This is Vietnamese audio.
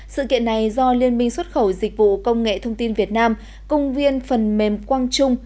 sự kiện này do liên minh xuất khẩu dịch vụ công nghệ thông tin việt nam công viên phần mềm quang trung